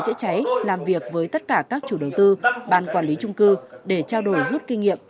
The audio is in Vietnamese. hãy làm việc với tất cả các chủ đầu tư bàn quản lý trung cư để trao đổi rút kinh nghiệm